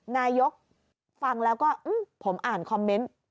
นายกฟังแล้วก็ผมอ่านคอมเมนต์